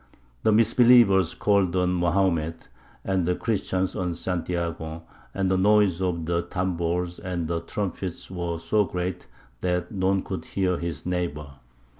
The misbelievers called on Mahomet, and the Christians on Santiago, and the noise of the tambours and of the trumpets was so great that none could hear his neighbour.